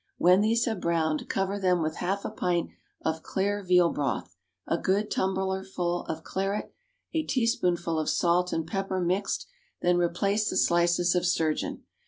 When these have browned, cover them with half a pint of clear veal broth, a good tumblerful of claret, a teaspoonful of salt and pepper mixed, then replace the slices of sturgeon.